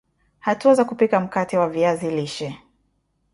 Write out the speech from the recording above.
Hatua za kupika mkate wa viazi lishe